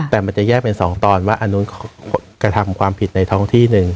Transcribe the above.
แต่มันจะแยกเป็นสองตอนว่าอันนู้นกระทำความผิดในท้องที่หนึ่ง